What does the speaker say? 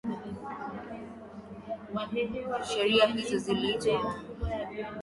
sheria hizo ziliitwa mkataba wa kuzuia uhalifu wa mauaji ya kimbari